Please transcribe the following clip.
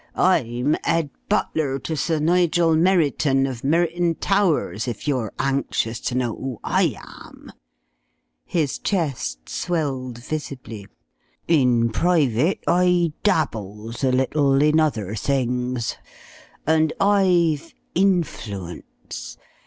I'm 'ead butler to Sir Nigel Merriton of Merriton Towers, if you're anxious to know who I am." His chest swelled visibly. "In private I dabbles a little in other things. And I've influence.